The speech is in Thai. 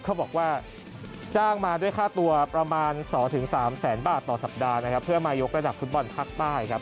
เขาบอกว่าจ้างมาด้วยค่าตัวประมาณ๒๓แสนบาทต่อสัปดาห์นะครับเพื่อมายกระดับฟุตบอลภาคใต้ครับ